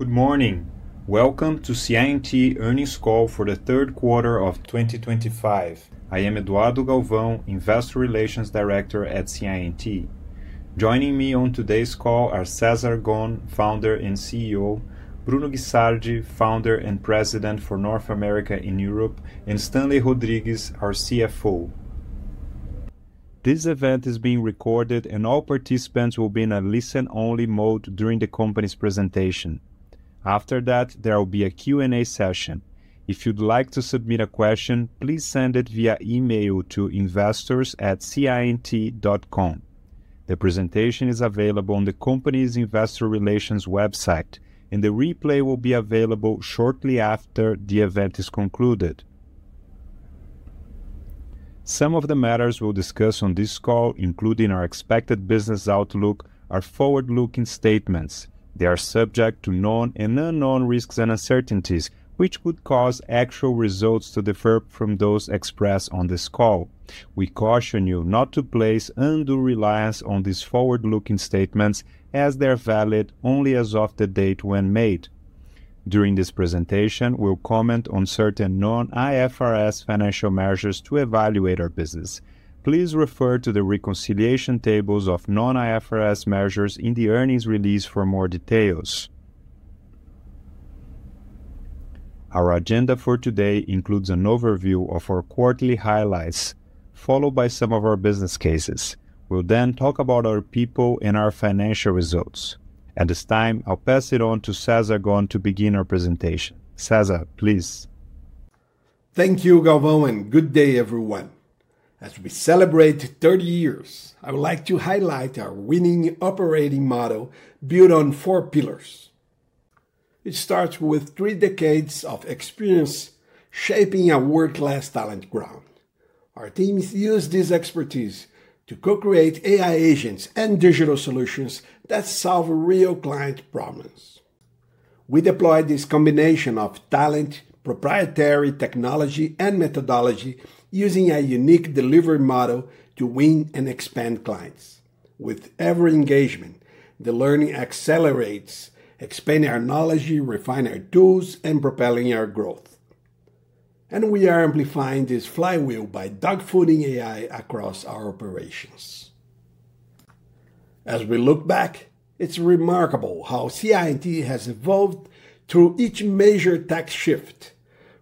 Good morning. Welcome to CI&T Earnings Call for the third quarter of 2025. I am Eduardo Galvão, Investor Relations Director at CI&T. Joining me on today's call are Cesar Gon, Founder and CEO; Bruno Guicardi, Founder and President for North America and Europe; and Stanley Rodrigues, our CFO. This event is being recorded, and all participants will be in a listen-only mode during the company's presentation. After that, there will be a Q&A session. If you'd like to submit a question, please send it via email to investors@ciandt.com. The presentation is available on the company's Investor Relations website, and the replay will be available shortly after the event is concluded. Some of the matters we'll discuss on this call, including our expected business outlook, are forward-looking statements. They are subject to known and unknown risks and uncertainties, which could cause actual results to differ from those expressed on this call. We caution you not to place undue reliance on these forward-looking statements, as they are valid only as of the date when made. During this presentation, we'll comment on certain non-IFRS financial measures to evaluate our business. Please refer to the reconciliation tables of non-IFRS measures in the earnings release for more details. Our agenda for today includes an overview of our quarterly highlights, followed by some of our business cases. We'll then talk about our people and our financial results. At this time, I'll pass it on to Cesar Gon to begin our presentation. Cesar, please. Thank you, Galvão, and good day, everyone. As we celebrate 30 years, I would like to highlight our winning operating model built on four pillars. It starts with three decades of experience shaping a world-class talent ground. Our teams use this expertise to co-create AI agents and digital solutions that solve real client problems. We deploy this combination of talent, proprietary technology, and methodology using a unique delivery model to win and expand clients. With every engagement, the learning accelerates, expanding our knowledge, refining our tools, and propelling our growth. We are amplifying this flywheel by dogfooding AI across our operations. As we look back, it's remarkable how CI&T has evolved through each major tech shift,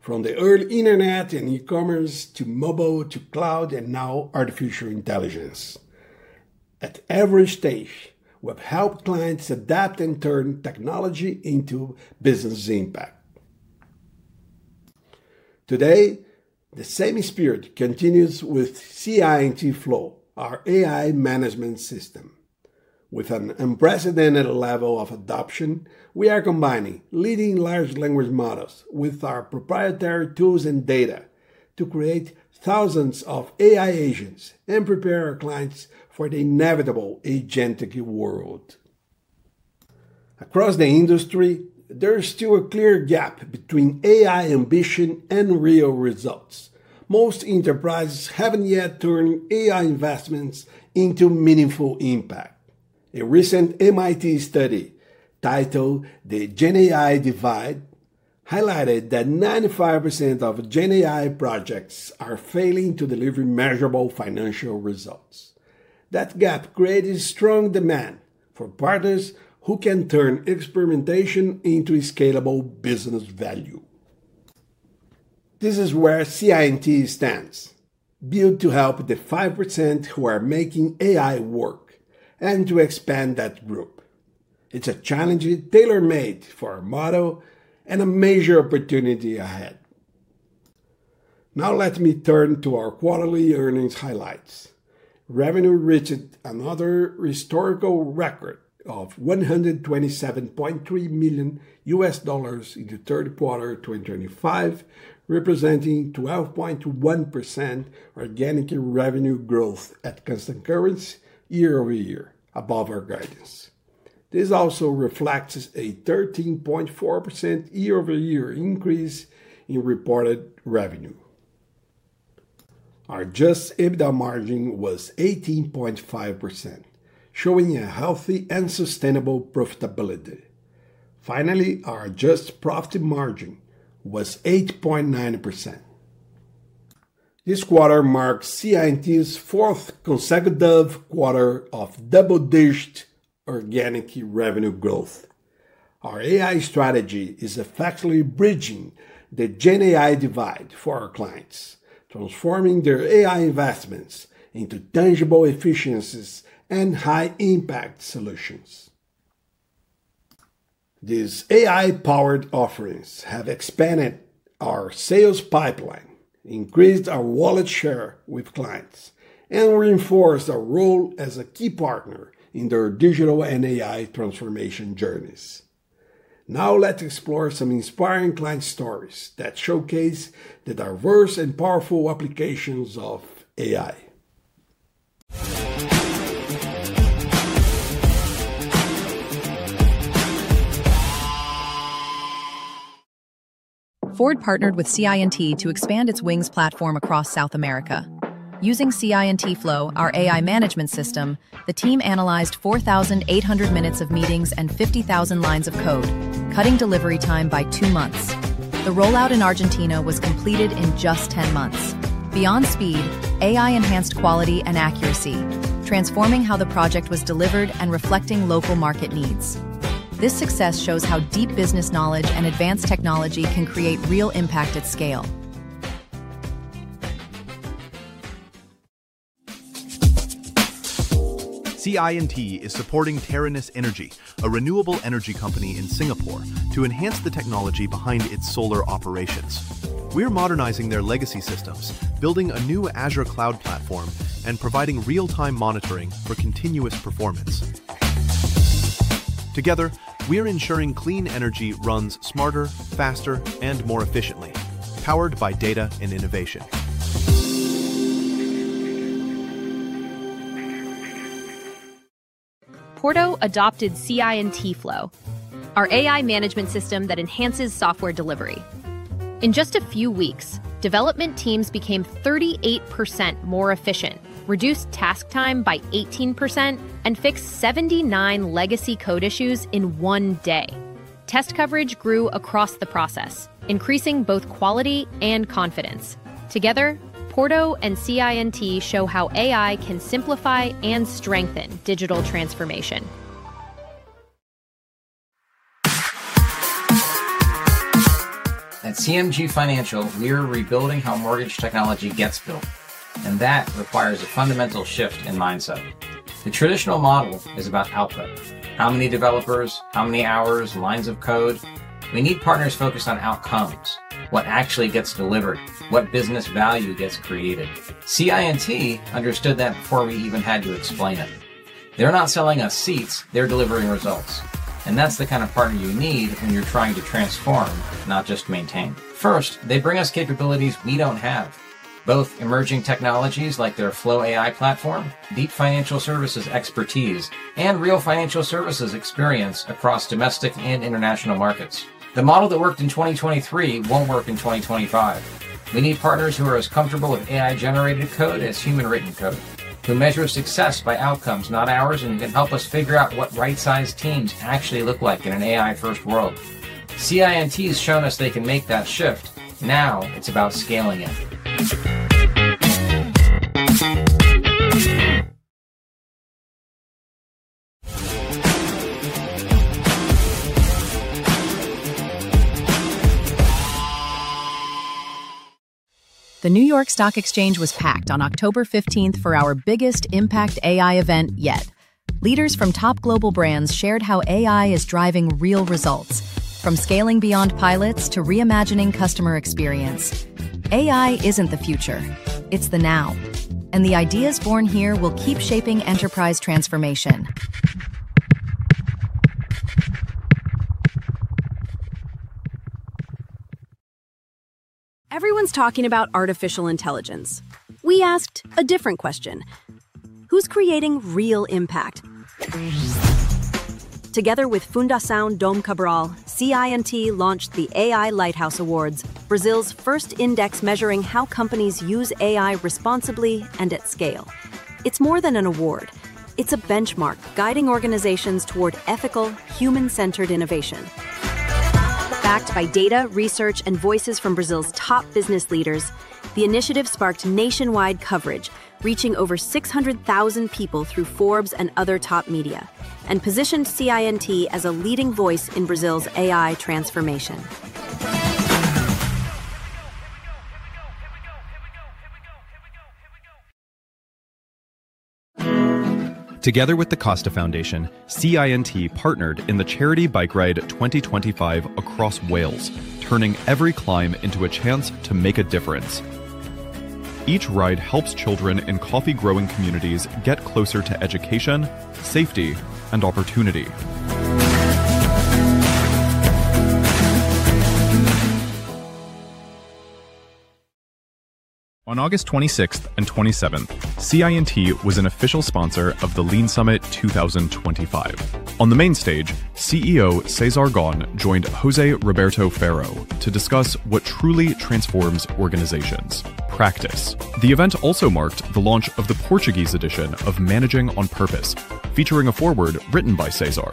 from the early internet and e-commerce to mobile to cloud, and now artificial intelligence. At every stage, we've helped clients adapt and turn technology into business impact. Today, the same spirit continues with CI&T FLOW, our AI management system. With an unprecedented level of adoption, we are combining leading large language models with our proprietary tools and data to create thousands of AI agents and prepare our clients for the inevitable agentic world. Across the industry, there's still a clear gap between AI ambition and real results. Most enterprises haven't yet turned AI investments into meaningful impact. A recent MIT study titled "The GenAI Divide" highlighted that 95% of GenAI projects are failing to deliver measurable financial results. That gap created strong demand for partners who can turn experimentation into scalable business value. This is where CI&T stands, built to help the 5% who are making AI work and to expand that group. It's a challenge tailor-made for our model and a major opportunity ahead. Now let me turn to our quarterly earnings highlights. Revenue reached another historical record of $127.3 million in the third quarter of 2025, representing 12.1% organic revenue growth at constant currencies year-over-year, above our guidance. This also reflects a 13.4% year-over-year increase in reported revenue. Our Adjusted EBITDA margin was 18.5%, showing a healthy and sustainable profitability. Finally, our adjusted profit margin was 8.9%. This quarter marks CI&T's fourth consecutive quarter of double-digit organic revenue growth. Our AI strategy is effectively bridging the GenAI divide for our clients, transforming their AI investments into tangible efficiencies and high-impact solutions. These AI-powered offerings have expanded our sales pipeline, increased our wallet share with clients, and reinforced our role as a key partner in their digital and AI transformation journeys. Now let's explore some inspiring client stories that showcase the diverse and powerful applications of AI. Ford partnered with CI&T to expand its Wings platform across South America. Using CI&T FLOW, our AI management system, the team analyzed 4,800 minutes of meetings and 50,000 lines of code, cutting delivery time by two months. The rollout in Argentina was completed in just 10 months. Beyond speed, AI enhanced quality and accuracy, transforming how the project was delivered and reflecting local market needs. This success shows how deep business knowledge and advanced technology can create real impact at scale. CI&T is supporting Terranus Energy, a renewable energy company in Singapore, to enhance the technology behind its solar operations. We're modernizing their legacy systems, building a new Azure Cloud platform, and providing real-time monitoring for continuous performance. Together, we're ensuring clean energy runs smarter, faster, and more efficiently, powered by data and innovation. Porto adopted CI&T FLOW, our AI management system that enhances software delivery. In just a few weeks, development teams became 38% more efficient, reduced task time by 18%, and fixed 79 legacy code issues in one day. Test coverage grew across the process, increasing both quality and confidence. Together, Porto and CI&T show how AI can simplify and strengthen digital transformation. At CMG Financial, we're rebuilding how mortgage technology gets built, and that requires a fundamental shift in mindset. The traditional model is about output: how many developers, how many hours, lines of code. We need partners focused on outcomes: what actually gets delivered, what business value gets created. CI&T understood that before we even had to explain it. They're not selling us seats; they're delivering results. That is the kind of partner you need when you're trying to transform, not just maintain. First, they bring us capabilities we don't have: both emerging technologies like their FLOW AI platform, deep financial services expertise, and real financial services experience across domestic and international markets. The model that worked in 2023 won't work in 2025. We need partners who are as comfortable with AI-generated code as human-written code, who measure success by outcomes, not hours, and can help us figure out what right-sized teams actually look like in an AI-first world. CI&T has shown us they can make that shift. Now it is about scaling it. The New York Stock Exchange was packed on October 15 for our biggest impact AI event yet. Leaders from top global brands shared how AI is driving real results, from scaling beyond pilots to reimagining customer experience. AI isn't the future; it's the now, and the ideas born here will keep shaping enterprise transformation. Everyone's talking about artificial intelligence. We asked a different question: who's creating real impact? Together with Fundação Dom Cabral, CI&T launched the AI Lighthouse Awards, Brazil's first index measuring how companies use AI responsibly and at scale. It's more than an award; it's a benchmark guiding organizations toward ethical, human-centered innovation. Backed by data, research, and voices from Brazil's top business leaders, the initiative sparked nationwide coverage, reaching over 600,000 people through Forbes and other top media, and positioned CI&T as a leading voice in Brazil's AI transformation. Together with the Costa Foundation, CI&T partnered in the Charity Bike Ride 2025 across Wales, turning every climb into a chance to make a difference. Each ride helps children in coffee-growing communities get closer to education, safety, and opportunity. On August 26 and 27, CI&T was an official sponsor of the Lean Summit 2025. On the main stage, CEO Cesar Gon joined José Roberto Ferro to discuss what truly transforms organizations: practice. The event also marked the launch of the Portuguese edition of Managing on Purpose, featuring a foreword written by Cesar.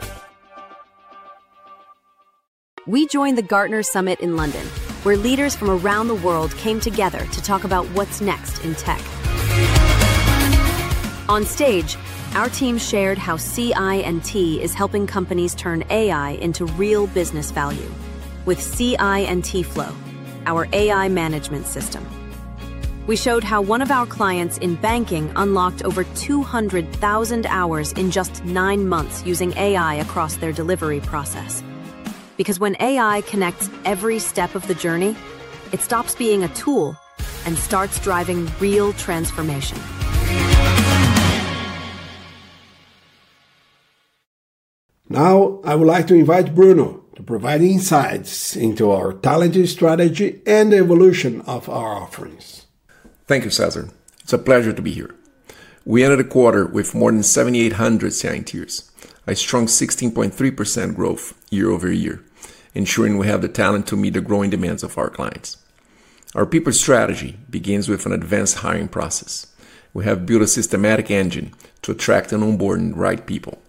We joined the Gartner Summit in London, where leaders from around the world came together to talk about what's next in tech. On stage, our team shared how CI&T is helping companies turn AI into real business value with CI&T FLOW, our AI management system. We showed how one of our clients in banking unlocked over 200,000 hours in just nine months using AI across their delivery process. Because when AI connects every step of the journey, it stops being a tool and starts driving real transformation. Now, I would like to invite Bruno to provide insights into our talent strategy and the evolution of our offerings. Thank you, Cesar. It's a pleasure to be here. We entered the quarter with more than 7,800 CI&Ters, a strong 16.3% growth year-over-year, ensuring we have the talent to meet the growing demands of our clients. Our people strategy begins with an advanced hiring process. We have built a systematic engine to attract and onboard the right people.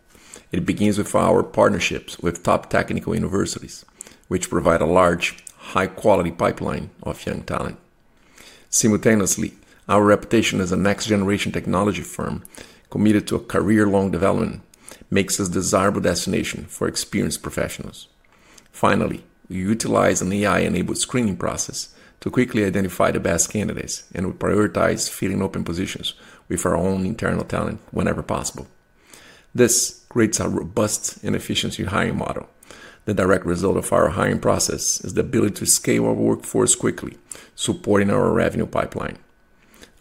It begins with our partnerships with top technical universities, which provide a large, high-quality pipeline of young talent. Simultaneously, our reputation as a next-generation technology firm, committed to a career-long development, makes us a desirable destination for experienced professionals. Finally, we utilize an AI-enabled screening process to quickly identify the best candidates, and we prioritize filling open positions with our own internal talent whenever possible. This creates a robust and efficient hiring model. The direct result of our hiring process is the ability to scale our workforce quickly, supporting our revenue pipeline.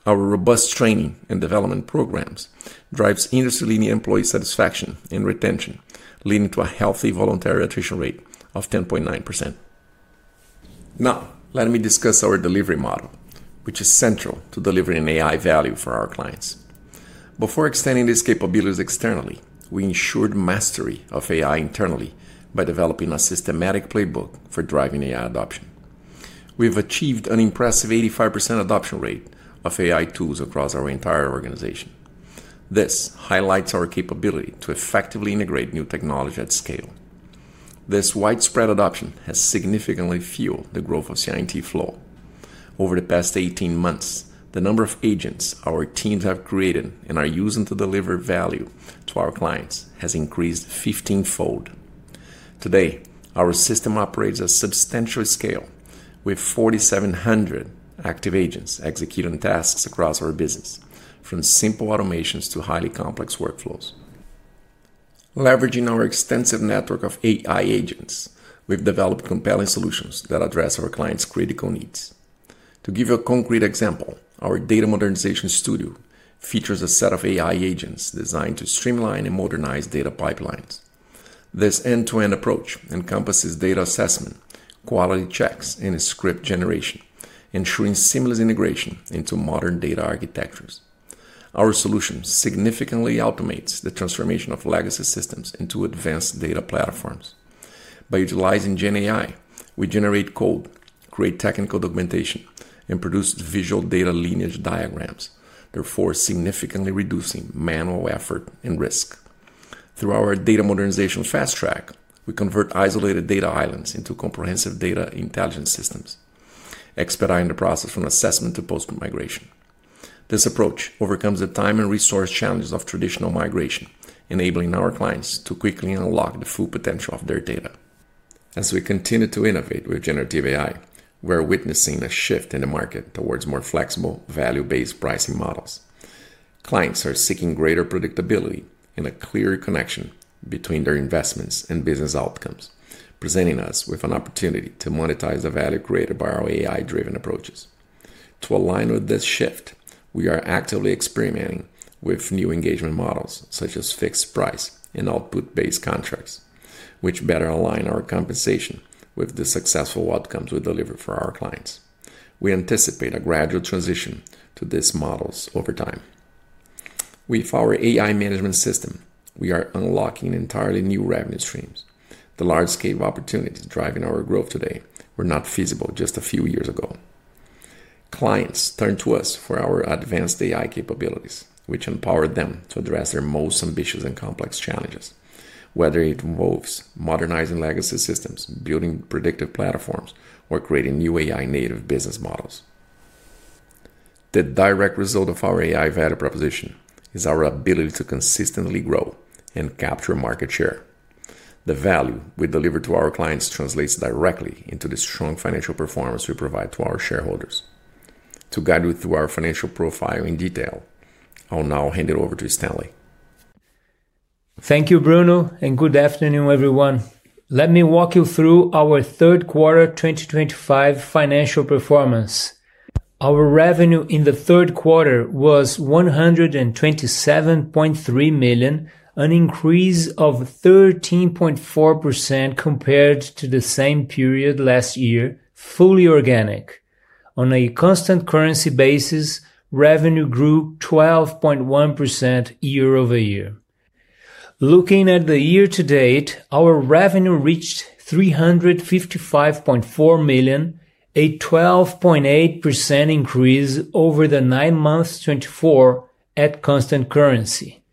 Our robust training and development programs drive industry-leading employee satisfaction and retention, leading to a healthy voluntary attrition rate of 10.9%. Now, let me discuss our delivery model, which is central to delivering AI value for our clients. Before extending these capabilities externally, we ensured mastery of AI internally by developing a systematic playbook for driving AI adoption. We've achieved an impressive 85% adoption rate of AI tools across our entire organization. This highlights our capability to effectively integrate new technology at scale. This widespread adoption has significantly fueled the growth of CI&T FLOW. Over the past 18 months, the number of agents our teams have created and are using to deliver value to our clients has increased 15-fold. Today, our system operates at substantial scale, with 4,700 active agents executing tasks across our business, from simple automations to highly complex workflows. Leveraging our extensive network of AI agents, we've developed compelling solutions that address our clients' critical needs. To give you a concrete example, our data modernization studio features a set of AI agents designed to streamline and modernize data pipelines. This end-to-end approach encompasses data assessment, quality checks, and script generation, ensuring seamless integration into modern data architectures. Our solution significantly automates the transformation of legacy systems into advanced data platforms. By utilizing GenAI, we generate code, create technical documentation, and produce visual data lineage diagrams, therefore significantly reducing manual effort and risk. Through our data modernization fast track, we convert isolated data islands into comprehensive data intelligence systems, expediting the process from assessment to post-migration. This approach overcomes the time and resource challenges of traditional migration, enabling our clients to quickly unlock the full potential of their data. As we continue to innovate with generative AI, we're witnessing a shift in the market towards more flexible, value-based pricing models. Clients are seeking greater predictability and a clearer connection between their investments and business outcomes, presenting us with an opportunity to monetize the value created by our AI-driven approaches. To align with this shift, we are actively experimenting with new engagement models such as fixed price and output-based contracts, which better align our compensation with the successful outcomes we deliver for our clients. We anticipate a gradual transition to these models over time. With our AI management system, we are unlocking entirely new revenue streams. The large-scale opportunities driving our growth today were not feasible just a few years ago. Clients turn to us for our advanced AI capabilities, which empower them to address their most ambitious and complex challenges, whether it involves modernizing legacy systems, building predictive platforms, or creating new AI-native business models. The direct result of our AI value proposition is our ability to consistently grow and capture market share. The value we deliver to our clients translates directly into the strong financial performance we provide to our shareholders. To guide you through our financial profile in detail, I'll now hand it over to Stanley. Thank you, Bruno, and good afternoon, everyone. Let me walk you through our third quarter 2025 financial performance. Our revenue in the third quarter was $127.3 million, an increase of 13.4% compared to the same period last year, fully organic. On a constant currency basis, revenue grew 12.1% year-over-year. Looking at the year to date, our revenue reached $355.4 million, a 12.8% increase over the nine months 2024 at constant currency.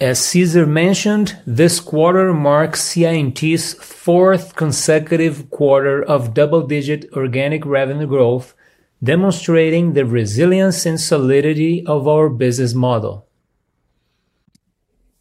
As Cesar mentioned, this quarter marks CI&T's fourth consecutive quarter of double-digit organic revenue growth, demonstrating the resilience and solidity of our business model.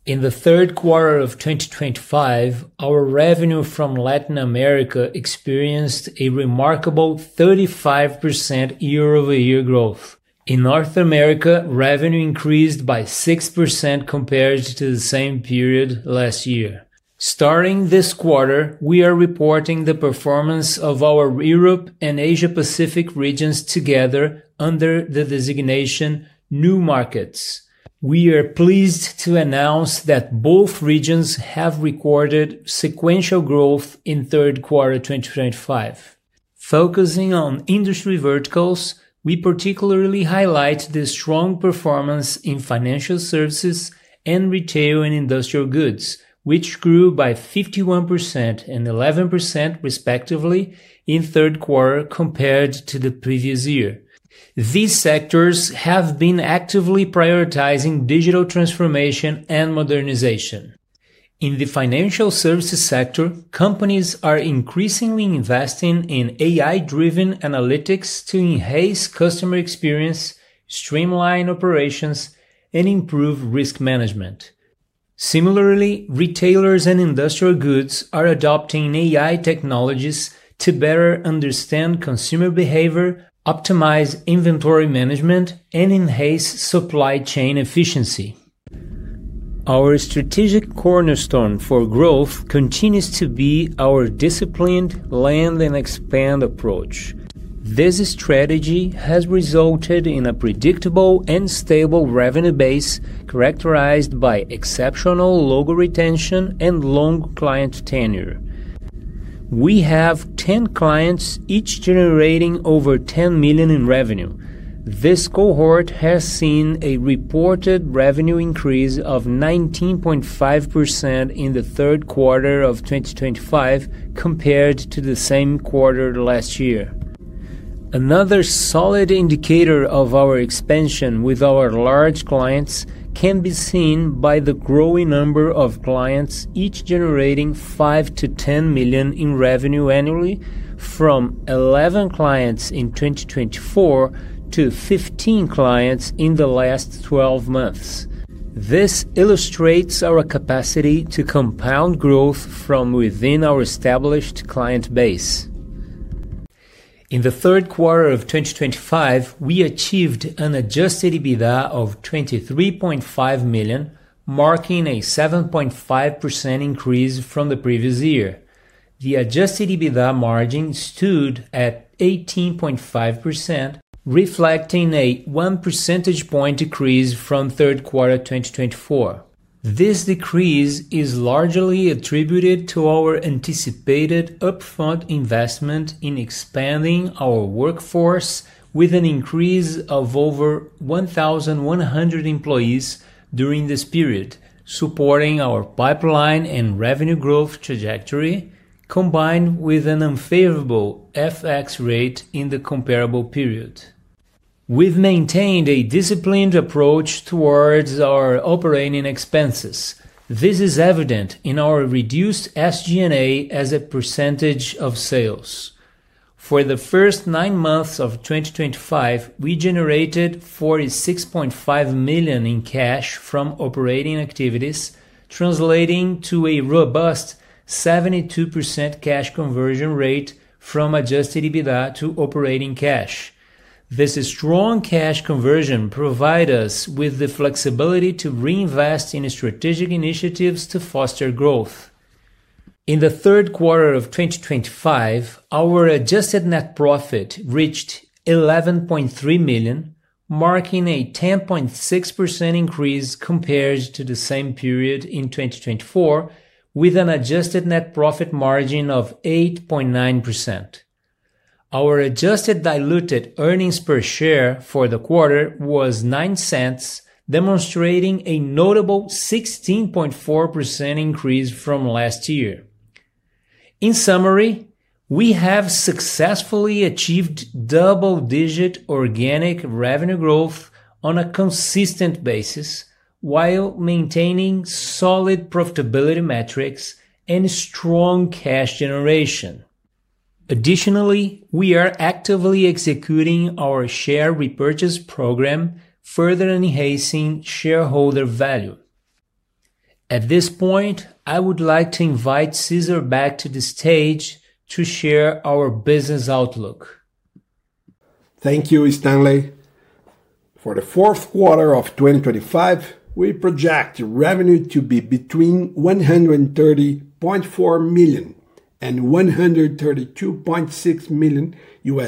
In the third quarter of 2025, our revenue from Latin America experienced a remarkable 35% year-over-year growth. In North America, revenue increased by 6% compared to the same period last year. Starting this quarter, we are reporting the performance of our Europe and Asia-Pacific regions together under the designation New Markets. We are pleased to announce that both regions have recorded sequential growth in third quarter 2025. Focusing on industry verticals, we particularly highlight the strong performance in financial services and retail and industrial goods, which grew by 51% and 11%, respectively, in third quarter compared to the previous year. These sectors have been actively prioritizing digital transformation and modernization. In the financial services sector, companies are increasingly investing in AI-driven analytics to enhance customer experience, streamline operations, and improve risk management. Similarly, retailers and industrial goods are adopting AI technologies to better understand consumer behavior, optimize inventory management, and enhance supply chain efficiency. Our strategic cornerstone for growth continues to be our disciplined land and expand approach. This strategy has resulted in a predictable and stable revenue base characterized by exceptional logo retention and long client tenure. We have 10 clients, each generating over $10 million in revenue. This cohort has seen a reported revenue increase of 19.5% in the third quarter of 2025 compared to the same quarter last year. Another solid indicator of our expansion with our large clients can be seen by the growing number of clients, each generating $5 million-$10 million in revenue annually, from 11 clients in 2024 to 15 clients in the last 12 months. This illustrates our capacity to compound growth from within our established client base. In the third quarter of 2025, we achieved an Adjusted EBITDA of $23.5 million, marking a 7.5% increase from the previous year. The Adjusted EBITDA margin stood at 18.5%, reflecting a 1 percentage point decrease from third quarter 2024. This decrease is largely attributed to our anticipated upfront investment in expanding our workforce, with an increase of over 1,100 employees during this period, supporting our pipeline and revenue growth trajectory, combined with an unfavorable FX rate in the comparable period. We've maintained a disciplined approach towards our operating expenses. This is evident in our reduced SG&A as a percentage of sales. For the first nine months of 2025, we generated $46.5 million in cash from operating activities, translating to a robust 72% cash conversion rate from Adjusted EBITDA to operating cash. This strong cash conversion provides us with the flexibility to reinvest in strategic initiatives to foster growth. In the third quarter of 2025, our adjusted net profit reached $11.3 million, marking a 10.6% increase compared to the same period in 2024, with an adjusted net profit margin of 8.9%. Our adjusted diluted earnings per share for the quarter was $0.09, demonstrating a notable 16.4% increase from last year. In summary, we have successfully achieved double-digit organic revenue growth on a consistent basis while maintaining solid profitability metrics and strong cash generation. Additionally, we are actively executing our share repurchase program, further enhancing shareholder value. At this point, I would like to invite Cesar back to the stage to share our business outlook. Thank you, Stanley. For the fourth quarter of 2025, we project revenue to be between $130.4 million and $132.6 million. The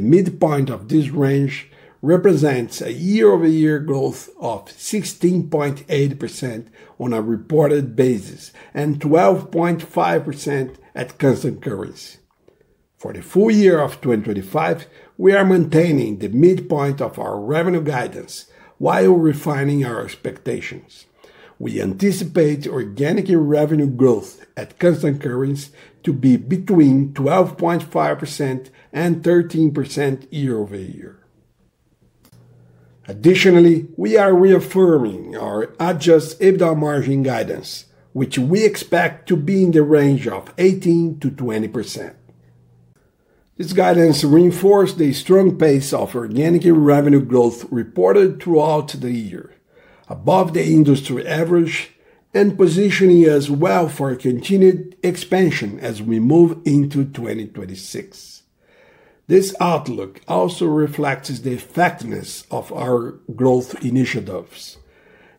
midpoint of this range represents a year-over-year growth of 16.8% on a reported basis and 12.5% at constant currency. For the full year of 2025, we are maintaining the midpoint of our revenue guidance while refining our expectations. We anticipate organic revenue growth at constant currency to be between 12.5% and 13% year-over-year. Additionally, we are reaffirming our Adjusted EBITDA margin guidance, which we expect to be in the range of 18%-20%. This guidance reinforces the strong pace of organic revenue growth reported throughout the year, above the industry average, and positioning us well for continued expansion as we move into 2026. This outlook also reflects the effectiveness of our growth initiatives: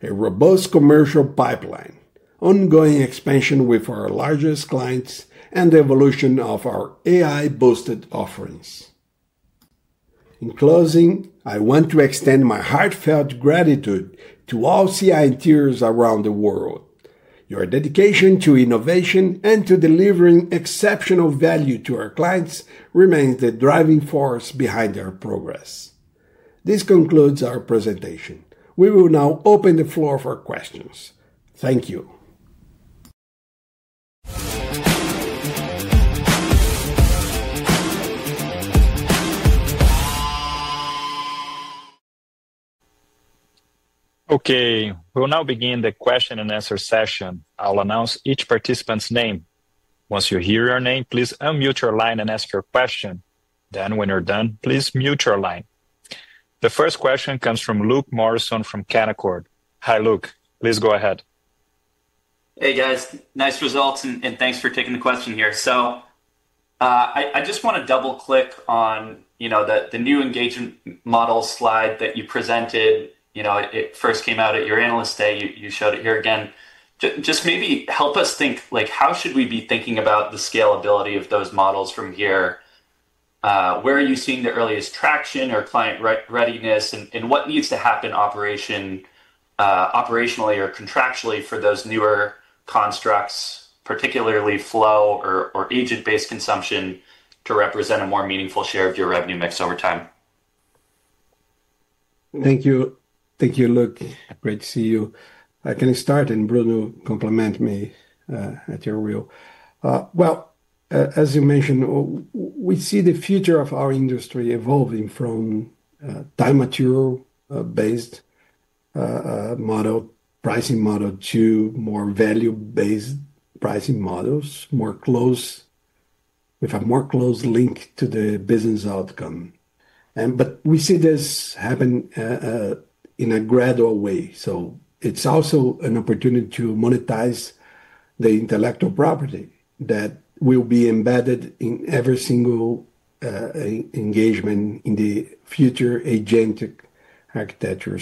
a robust commercial pipeline, ongoing expansion with our largest clients, and the evolution of our AI-boosted offerings. In closing, I want to extend my heartfelt gratitude to all CI&Ters around the world. Your dedication to innovation and to delivering exceptional value to our clients remains the driving force behind our progress. This concludes our presentation. We will now open the floor for questions. Thank you. Okay, we'll now begin the question and answer session. I'll announce each participant's name. Once you hear your name, please unmute your line and ask your question. Then, when you're done, please mute your line. The first question comes from Luke Morison from Canaccord. Hi, Luke. Please go ahead. Hey, guys. Nice results, and thanks for taking the question here. I just want to double-click on, you know, the new engagement model slide that you presented. You know, it first came out at your analyst day. You showed it here again. Just maybe help us think, like, how should we be thinking about the scalability of those models from here? Where are you seeing the earliest traction or client readiness, and what needs to happen operationally or contractually for those newer constructs, particularly Flow or agent-based consumption, to represent a more meaningful share of your revenue mix over time? Thank you. Thank you, Luke. Great to see you. I can start, and Bruno, compliment me at your wheel. As you mentioned, we see the future of our industry evolving from a time-material-based pricing model to more value-based pricing models, more close. We have a more close link to the business outcome. We see this happen in a gradual way. It is also an opportunity to monetize the intellectual property that will be embedded in every single engagement in the future agentic architecture.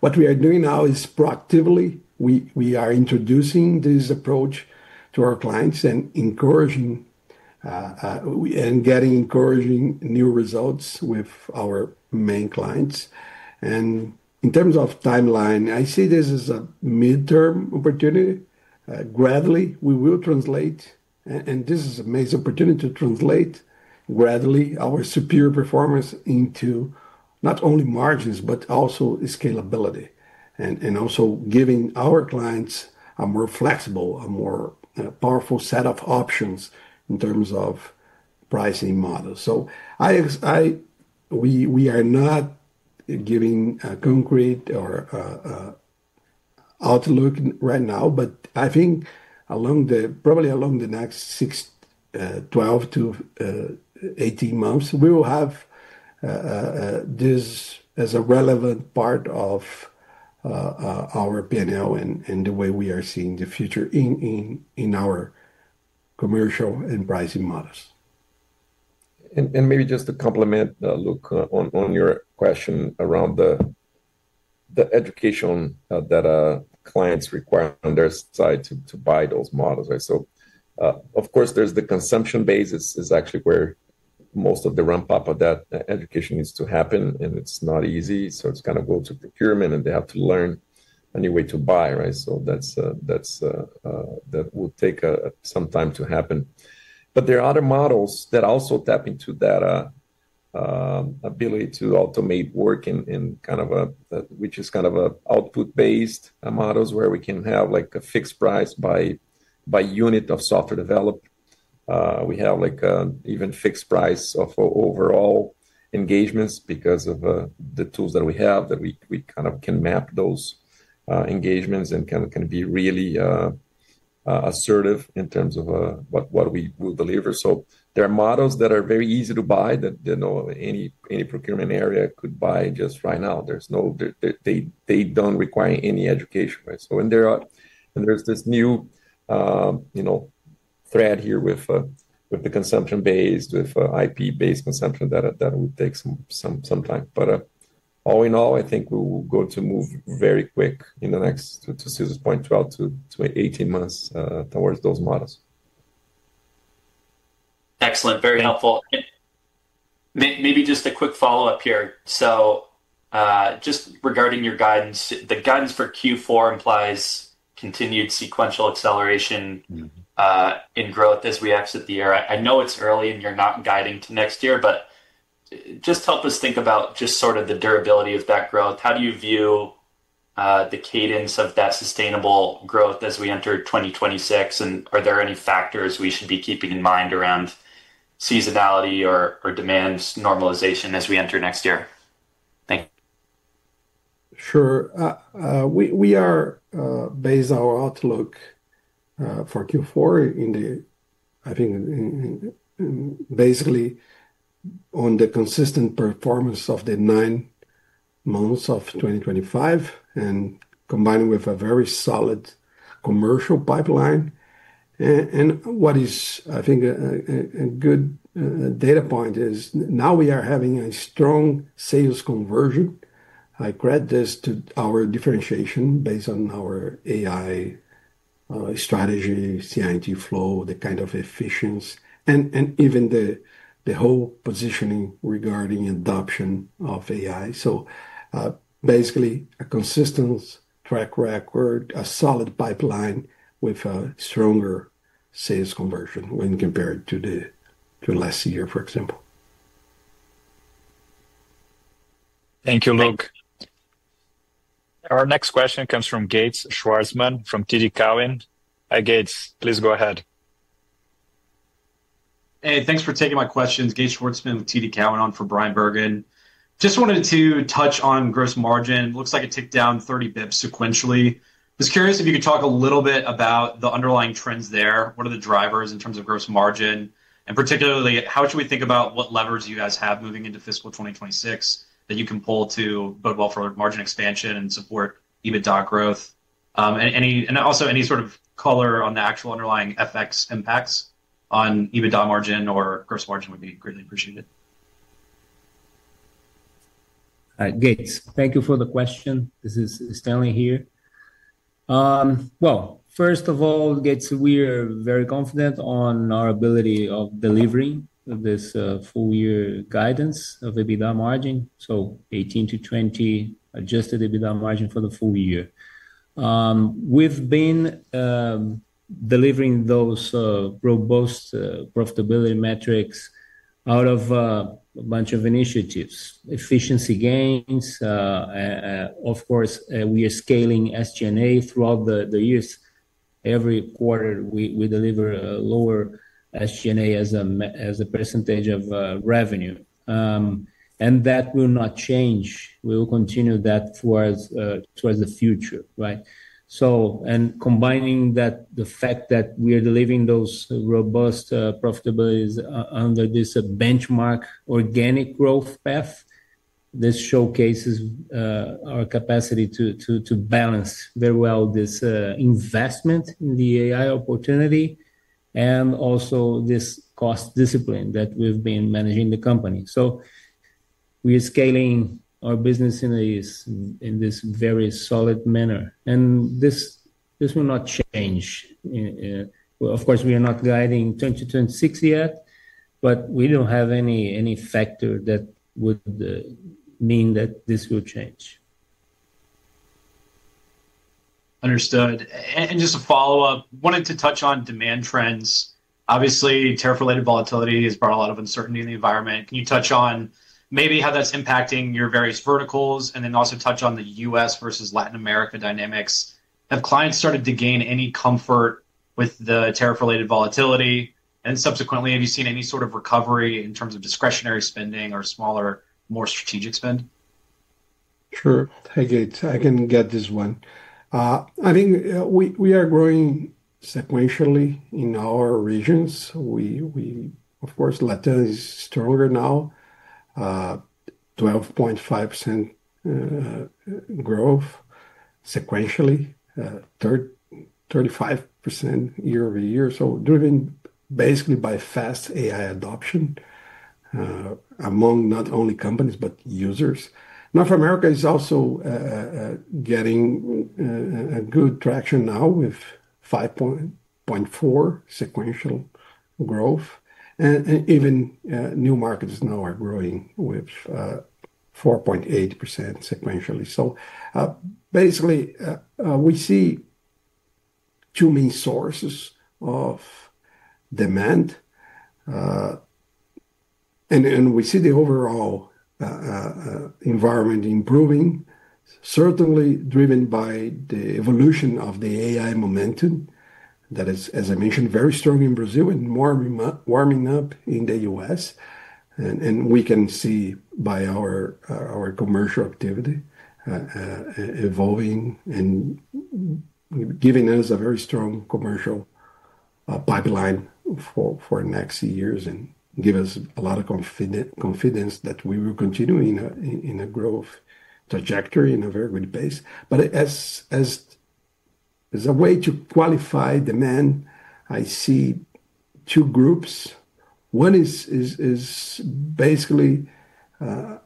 What we are doing now is proactively, we are introducing this approach to our clients and getting encouraging new results with our main clients. In terms of timeline, I see this as a midterm opportunity. Gradually, we will translate, and this is a major opportunity to translate gradually our superior performance into not only margins, but also scalability, and also giving our clients a more flexible, a more powerful set of options in terms of pricing models. We are not giving a concrete outlook right now, but I think probably along the next 12-18 months, we will have this as a relevant part of our P&L and the way we are seeing the future in our commercial and pricing models. Maybe just to complement Luke on your question around the education that clients require on their side to buy those models. Of course, there's the consumption base. It's actually where most of the ramp-up of that education needs to happen, and it's not easy. It's kind of go to procurement, and they have to learn a new way to buy, right? That will take some time to happen. There are other models that also tap into that ability to automate work in kind of a, which is kind of an output-based model where we can have like a fixed price by unit of software developed. We have like an even fixed price of overall engagements because of the tools that we have that we kind of can map those engagements and can be really assertive in terms of what we will deliver. There are models that are very easy to buy that any procurement area could buy just right now. They do not require any education, right? There is this new, you know, thread here with the consumption-based, with IP-based consumption that will take some time. All in all, I think we will go to move very quick in the next, to Cesar's point, 12-18 months towards those models. Excellent. Very helpful. Maybe just a quick follow-up here. Just regarding your guidance, the guidance for Q4 implies continued sequential acceleration in growth as we exit the year. I know it's early and you're not guiding to next year, but just help us think about just sort of the durability of that growth. How do you view the cadence of that sustainable growth as we enter 2026? Are there any factors we should be keeping in mind around seasonality or demand normalization as we enter next year? Thank you. Sure. We are based on our outlook for Q4, I think, basically on the consistent performance of the nine months of 2025 and combined with a very solid commercial pipeline. What is, I think, a good data point is now we are having a strong sales conversion. I credit this to our differentiation based on our AI strategy, CI&T FLOW, the kind of efficiency, and even the whole positioning regarding adoption of AI. Basically, a consistent track record, a solid pipeline with a stronger sales conversion when compared to last year, for example. Thank you, Luke. Our next question comes from Gates Schwarzmann from TD Cowen. Hi, Gates. Please go ahead. Hey, thanks for taking my questions. Gates Schwarzmann with TD Cowen, on for Brian Bergen. Just wanted to touch on gross margin. Looks like it ticked down 30 basis points sequentially. I was curious if you could talk a little bit about the underlying trends there. What are the drivers in terms of gross margin? Particularly, how should we think about what levers you guys have moving into fiscal 2026 that you can pull to both, well, for margin expansion and support EBITDA growth? Also, any sort of color on the actual underlying FX impacts on EBITDA margin or gross margin would be greatly appreciated. All right, Gates, thank you for the question. This is Stanley here. First of all, Gates, we are very confident on our ability of delivering this full-year guidance of EBITDA margin. So, 18%-20% Adjusted EBITDA margin for the full year. We've been delivering those robust profitability metrics out of a bunch of initiatives, efficiency gains. Of course, we are scaling SG&A throughout the years. Every quarter, we deliver a lower SG&A as a percentage of revenue. That will not change. We will continue that towards the future, right? Combining that, the fact that we are delivering those robust profitabilities under this benchmark organic growth path, this showcases our capacity to balance very well this investment in the AI opportunity and also this cost discipline that we've been managing the company. We are scaling our business in this very solid manner. This will not change. Of course, we are not guiding 2026 yet, but we do not have any factor that would mean that this will change. Understood. Just a follow-up, wanted to touch on demand trends. Obviously, tariff-related volatility has brought a lot of uncertainty in the environment. Can you touch on maybe how that's impacting your various verticals and also touch on the U.S. versus Latin America dynamics? Have clients started to gain any comfort with the tariff-related volatility? Subsequently, have you seen any sort of recovery in terms of discretionary spending or smaller, more strategic spend? Sure. Hey, Gates, I can get this one. I think we are growing sequentially in our regions. We, of course, Latin is stronger now, 12.5% growth sequentially, 35% year-over-year. Driven basically by fast AI adoption among not only companies, but users. North America is also getting good traction now with 5.4% sequential growth. Even new markets now are growing with 4.8% sequentially. Basically, we see two main sources of demand. We see the overall environment improving, certainly driven by the evolution of the AI momentum that is, as I mentioned, very strong in Brazil and warming up in the U.S. We can see by our commercial activity evolving and giving us a very strong commercial pipeline for next years and give us a lot of confidence that we will continue in a growth trajectory in a very good pace. As a way to qualify demand, I see two groups. One is basically a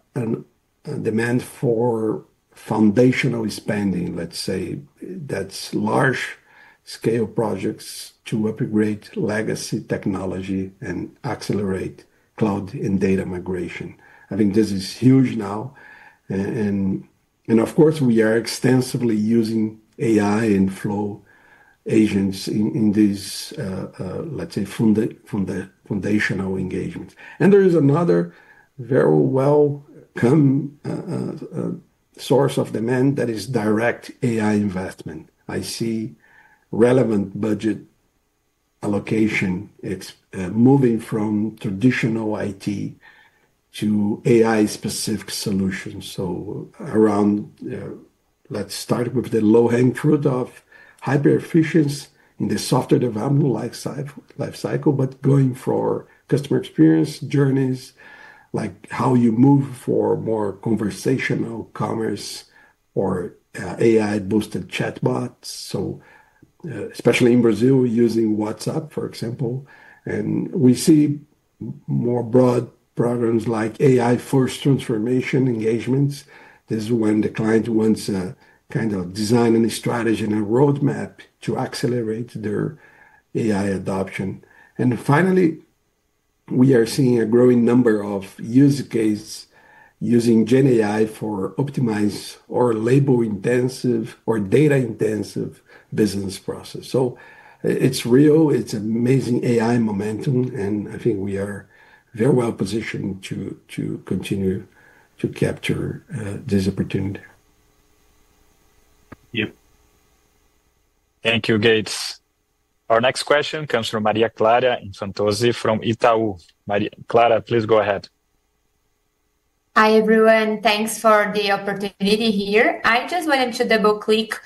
demand for foundational spending, let's say, that's large-scale projects to upgrade legacy technology and accelerate cloud and data migration. I think this is huge now. Of course, we are extensively using AI and FLOW agents in these, let's say, foundational engagements. There is another very well-known source of demand that is direct AI investment. I see relevant budget allocation moving from traditional IT to AI-specific solutions. Around, let's start with the low-hanging fruit of hyper-efficiency in the software development lifecycle, but going for customer experience journeys, like how you move for more conversational commerce or AI-boosted chatbots. Especially in Brazil, using WhatsApp, for example. We see more broad programs like AI-first transformation engagements. This is when the client wants a kind of design and a strategy and a roadmap to accelerate their AI adoption. Finally, we are seeing a growing number of use cases using GenAI for optimized or labor-intensive or data-intensive business processes. It is real. It is amazing AI momentum. I think we are very well positioned to continue to capture this opportunity. Yep. Thank you, Gates. Our next question comes from Maria Clara Infantozzi from Itaú. Maria Clara, please go ahead. Hi, everyone. Thanks for the opportunity here. I just wanted to double-click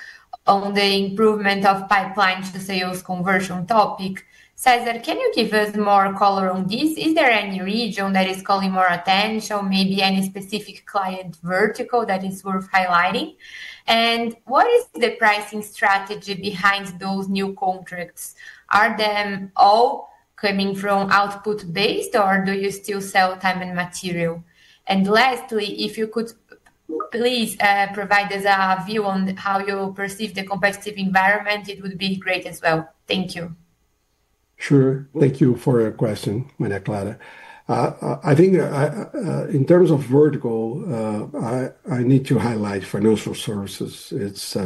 on the improvement of pipeline to sales conversion topic. Cesar, can you give us more color on this? Is there any region that is calling more attention, maybe any specific client vertical that is worth highlighting? What is the pricing strategy behind those new contracts? Are they all coming from output-based, or do you still sell time and material? Lastly, if you could please provide us a view on how you perceive the competitive environment, it would be great as well. Thank you. Sure. Thank you for your question, Maria Clara. I think in terms of vertical, I need to highlight financial services. It is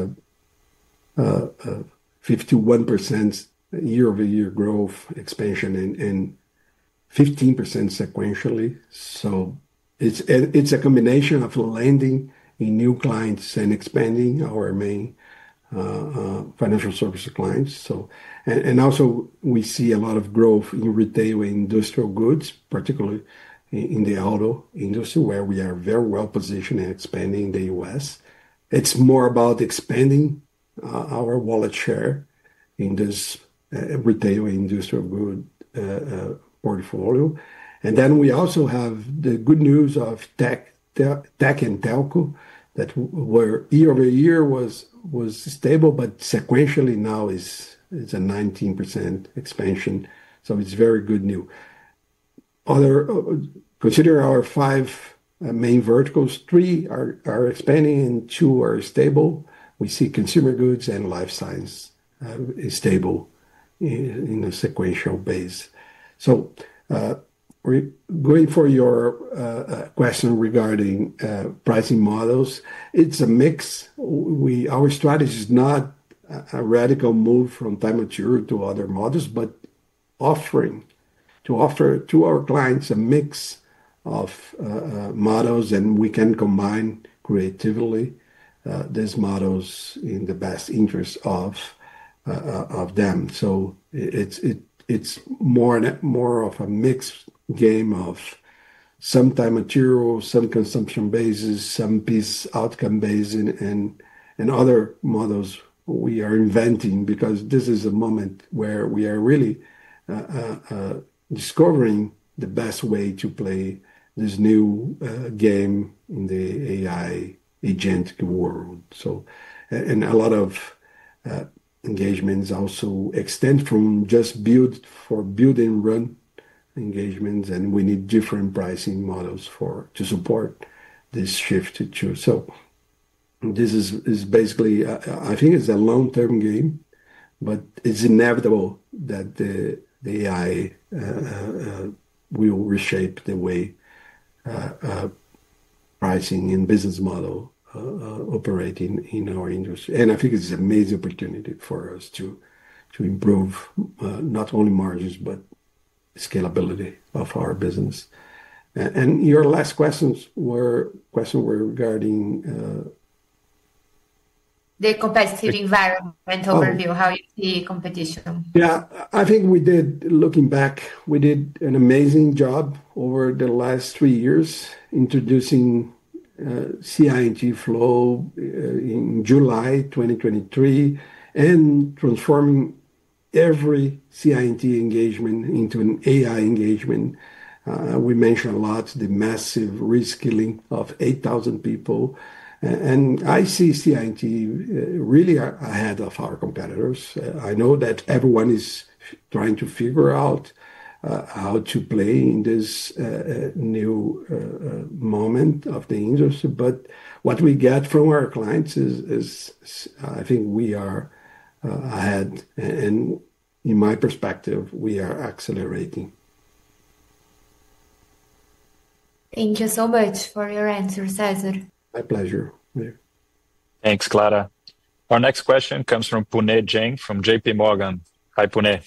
51% year-over-year growth expansion and 15% sequentially. It is a combination of landing new clients and expanding our main financial service clients. Also, we see a lot of growth in retail industrial goods, particularly in the auto industry, where we are very well positioned and expanding in the U.S. It is more about expanding our wallet share in this retail industrial good portfolio. We also have the good news of tech and telco, where year-over-year was stable, but sequentially now is a 19% expansion. It is very good news. Consider our five main verticals. Three are expanding and two are stable. We see consumer goods and life science is stable in a sequential base. Going for your question regarding pricing models, it is a mix. Our strategy is not a radical move from time-mature to other models, but offering to our clients a mix of models, and we can combine creatively these models in the best interest of them. It is more of a mixed game of some time-mature, some consumption basis, some piece outcome base, and other models we are inventing because this is a moment where we are really discovering the best way to play this new game in the AI agent world. A lot of engagements also extend from just build for build and run engagements, and we need different pricing models to support this shift too. This is basically, I think it is a long-term game, but it is inevitable that the AI will reshape the way pricing and business model operating in our industry. I think it's an amazing opportunity for us to improve not only margins, but scalability of our business. Your last questions were regarding. The competitive environment overview, how you see competition? Yeah, I think we did, looking back, we did an amazing job over the last three years introducing CI&T FLOW in July 2023 and transforming every CI&T engagement into an AI engagement. We mentioned a lot the massive reskilling of 8,000 people. I see CI&T really ahead of our competitors. I know that everyone is trying to figure out how to play in this new moment of the industry. What we get from our clients is, I think we are ahead. In my perspective, we are accelerating. Thank you so much for your answer, Cesar. My pleasure. Thanks, Clara. Our next question comes from Puneet Jain from JPMorgan. Hi, Puneet.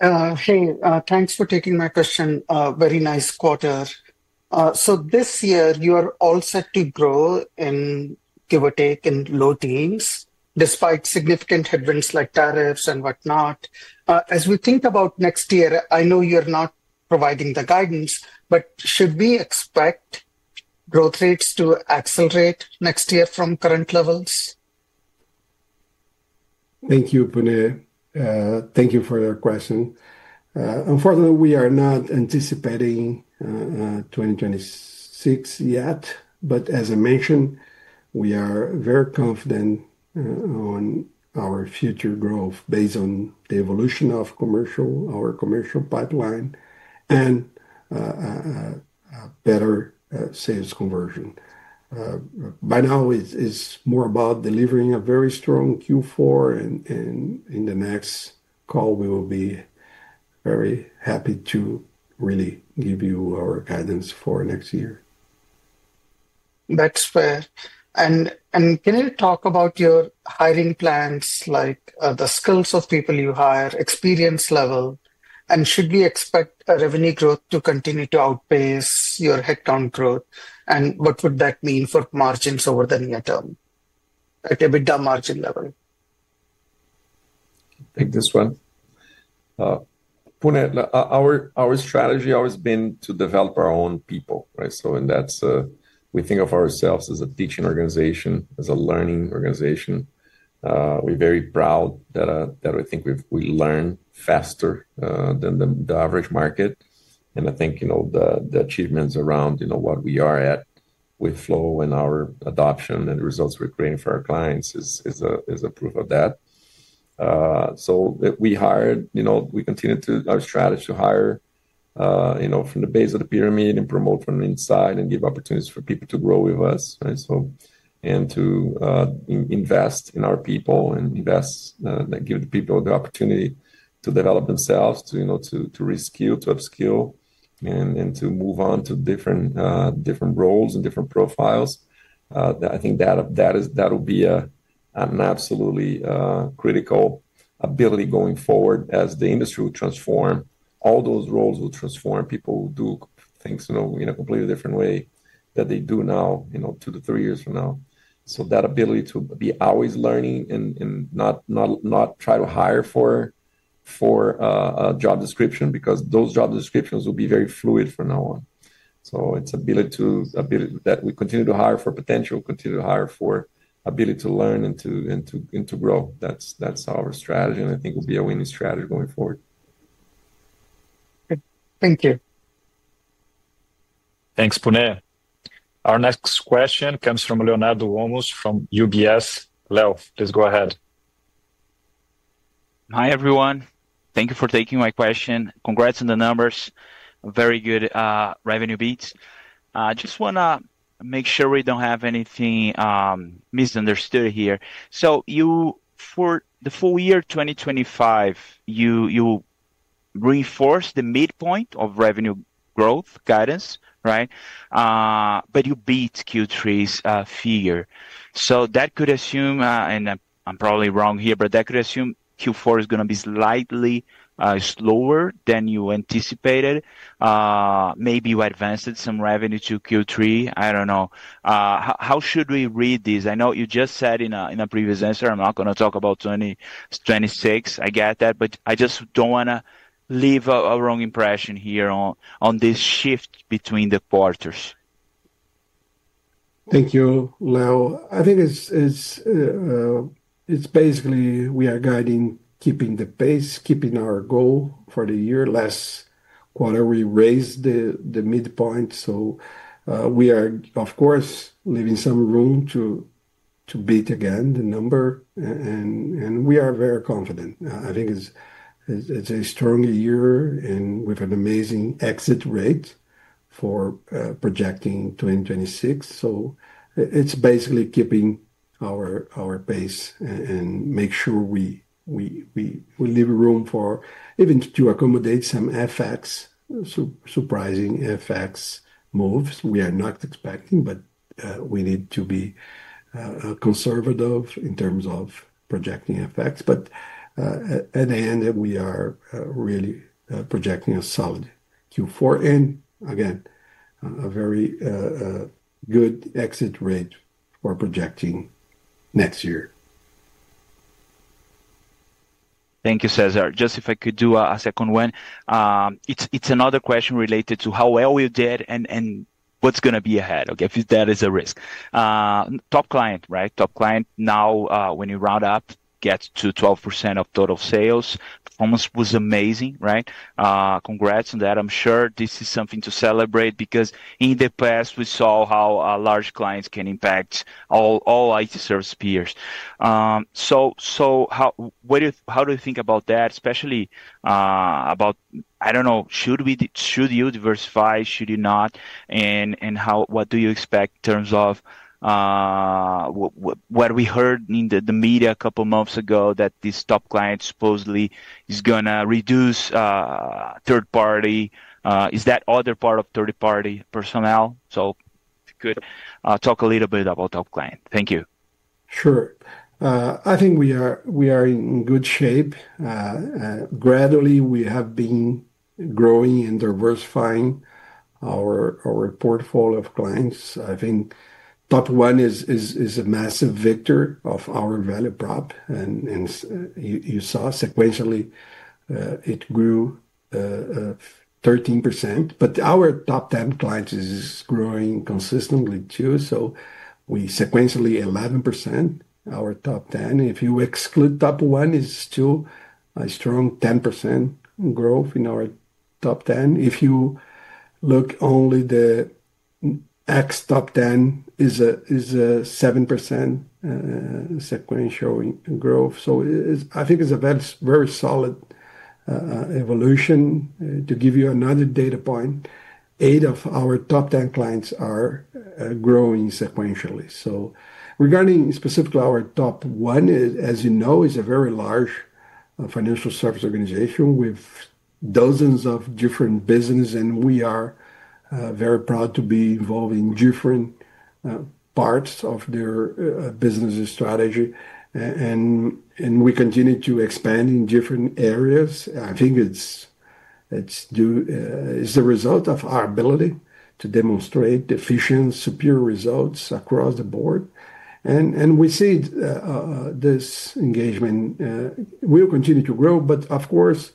Hey, thanks for taking my question. Very nice quarter. This year, you are all set to grow in, give or take, in low teens despite significant headwinds like tariffs and whatnot. As we think about next year, I know you're not providing the guidance, but should we expect growth rates to accelerate next year from current levels? Thank you, Puneet. Thank you for your question. Unfortunately, we are not anticipating 2026 yet. As I mentioned, we are very confident on our future growth based on the evolution of our commercial pipeline and better sales conversion. By now, it's more about delivering a very strong Q4. In the next call, we will be very happy to really give you our guidance for next year. That's fair. Can you talk about your hiring plans, like the skills of people you hire, experience level, and should we expect revenue growth to continue to outpace your headcount growth? What would that mean for margins over the near term, at an EBITDA margin level? Take this one. Puneet, our strategy has always been to develop our own people. We think of ourselves as a teaching organization, as a learning organization. We're very proud that I think we learn faster than the average market. I think the achievements around what we are at with Flow and our adoption and the results we're creating for our clients is a proof of that. We hired, we continue our strategy to hire from the base of the pyramid and promote from the inside and give opportunities for people to grow with us and to invest in our people and invest, give the people the opportunity to develop themselves, to reskill, to upskill, and to move on to different roles and different profiles. I think that will be an absolutely critical ability going forward as the industry will transform. All those roles will transform. People will do things in a completely different way than they do now two to three years from now. That ability to be always learning and not try to hire for a job description because those job descriptions will be very fluid from now on. It is ability to continue to hire for potential, continue to hire for ability to learn and to grow. That is our strategy. I think it will be a winning strategy going forward. Thank you. Thanks, Puneet. Our next question comes from Leonardo Olmos from UBS. Leo, please go ahead. Hi, everyone. Thank you for taking my question. Congrats on the numbers. Very good revenue beats. I just want to make sure we do not have anything misunderstood here. For the full year 2025, you reinforced the midpoint of revenue growth guidance, right? You beat Q3's figure. That could assume, and I am probably wrong here, that could assume Q4 is going to be slightly slower than you anticipated. Maybe you advanced some revenue to Q3. I do not know. How should we read this? I know you just said in a previous answer, I am not going to talk about 2026. I get that. I just do not want to leave a wrong impression here on this shift between the quarters. Thank you, Leo. I think it's basically we are guiding keeping the pace, keeping our goal for the year less quarterly raise the midpoint. We are, of course, leaving some room to beat again the number. We are very confident. I think it's a strong year, and we have an amazing exit rate for projecting 2026. It's basically keeping our pace and make sure we leave room for even to accommodate some FX, surprising FX moves we are not expecting, but we need to be conservative in terms of projecting FX. At the end, we are really projecting a solid Q4 and, again, a very good exit rate for projecting next year. Thank you, Cesar. Just if I could do a second one. It's another question related to how well you did and what's going to be ahead, okay, if that is a risk. Top client, right? Top client now, when you round up, gets to 12% of total sales. Performance was amazing, right? Congrats on that. I'm sure this is something to celebrate because in the past, we saw how large clients can impact all IT service peers. How do you think about that, especially about, I don't know, should you diversify, should you not? What do you expect in terms of what we heard in the media a couple of months ago that this top client supposedly is going to reduce third party? Is that other part of third party personnel? If you could talk a little bit about top client. Thank you. Sure. I think we are in good shape. Gradually, we have been growing and diversifying our portfolio of clients. I think top one is a massive victor of our value prop. You saw sequentially it grew 13%. Our top 10 clients is growing consistently too. We sequentially 11% our top 10. If you exclude top one, it's still a strong 10% growth in our top 10. If you look only the X top 10, it's a 7% sequential growth. I think it's a very solid evolution. To give you another data point, eight of our top 10 clients are growing sequentially. Regarding specifically our top one, as you know, is a very large financial service organization with dozens of different businesses. We are very proud to be involved in different parts of their business strategy. We continue to expand in different areas. I think it's the result of our ability to demonstrate efficient, superior results across the board. We see this engagement. We'll continue to grow, but of course,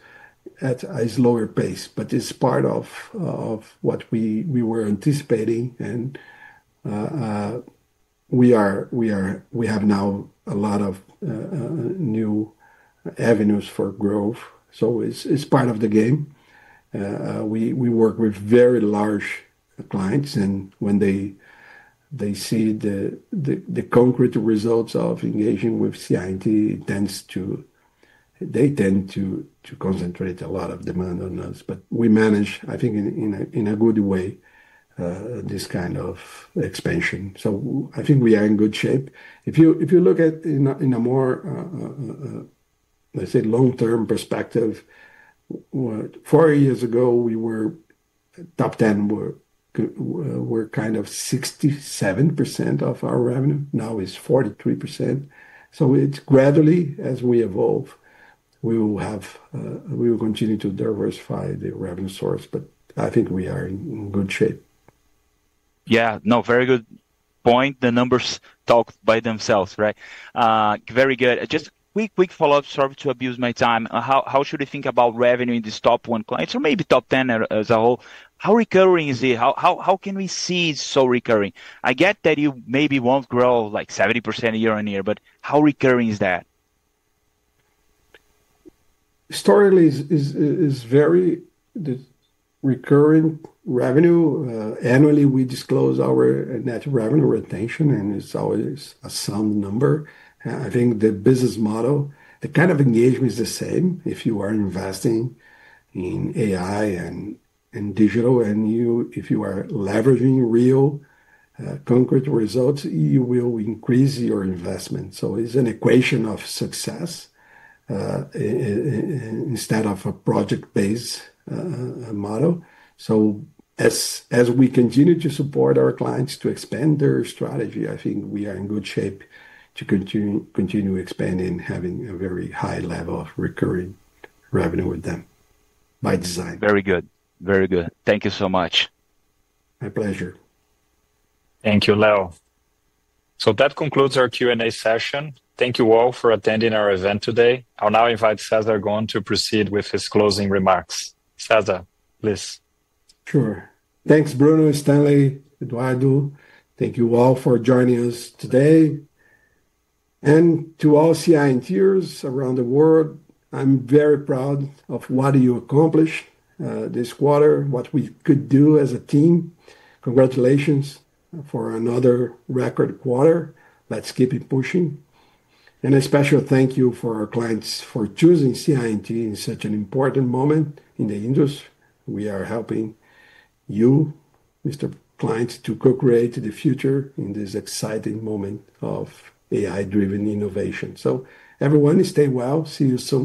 at a slower pace. It is part of what we were anticipating. We have now a lot of new avenues for growth. It is part of the game. We work with very large clients. When they see the concrete results of engaging with CI&T, they tend to concentrate a lot of demand on us. We manage, I think, in a good way, this kind of expansion. I think we are in good shape. If you look at it in a more, let's say, long-term perspective, four years ago, our top 10 were kind of 67% of our revenue. Now it's 43%. Gradually, as we evolve, we will continue to diversify the revenue source. I think we are in good shape. Yeah, no, very good point. The numbers talk by themselves, right? Very good. Just quick, quick follow-up, sorry to abuse my time. How should we think about revenue in these top one clients or maybe top 10 as a whole? How recurring is it? How can we see it so recurring? I get that you maybe won't grow like 70% year-on-year, but how recurring is that? Historically, it's very recurring revenue. Annually, we disclose our net revenue retention, and it's always a strong number. I think the business model, the kind of engagement is the same. If you are investing in AI and digital, and if you are leveraging real concrete results, you will increase your investment. It's an equation of success instead of a project-based model. As we continue to support our clients to expand their strategy, I think we are in good shape to continue expanding, having a very high level of recurring revenue with them by design. Very good. Very good. Thank you so much. My pleasure. Thank you, Leo. So, that concludes our Q&A session. Thank you all for attending our event today. I'll now invite Cesar Gon to proceed with his closing remarks. Cesar, please. Sure. Thanks, Bruno, Stanley, Eduardo. Thank you all for joining us today. And to all CI&Ters around the world, I'm very proud of what you accomplished this quarter, what we could do as a team. Congratulations for another record quarter. Let's keep it pushing. And a special thank you for our clients for choosing CI&T in such an important moment in the industry. We are helping you, Mr. Client, to co-create the future in this exciting moment of AI-driven innovation. So, everyone, stay well. See you soon.